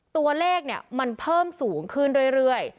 ตัวเลขมันเพิ่มสูงขึ้นเรื่อย